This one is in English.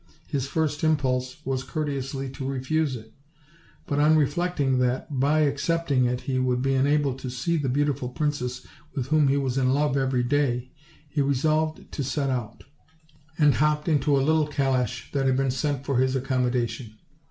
His first impulse was courteously to OLD, OLD FAIRY TALES. 157 refuse it; but, on reflecting that by accepting it he would be enabled to see the beautiful princess with whom he was in love every day, he resolved to set out, and hopped into a little calash that had been sent for his accommo dation.